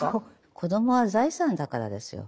子供は財産だからですよ。